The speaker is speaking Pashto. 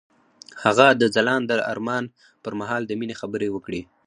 هغه د ځلانده آرمان پر مهال د مینې خبرې وکړې.